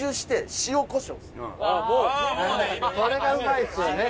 それがうまいですよね。